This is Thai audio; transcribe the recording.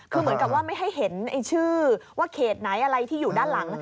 คือเหมือนกับว่าไม่ให้เห็นชื่อว่าเขตไหนอะไรที่อยู่ด้านหลัง